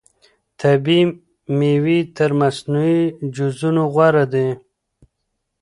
طبیعي مېوې تر مصنوعي جوسونو غوره دي.